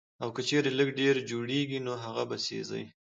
او کۀ چرې لږ ډېر جوړيږي نو هغه به سېزئ